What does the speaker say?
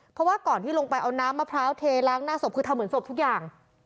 เพราะว่าก่อนที่ลงไปเอาน้ำมะพร้าวเทล้างหน้าศพคือทำเหมือนศพทุกอย่าง